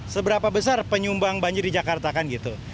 seberapa besar penyumbang banjir di jakarta kan gitu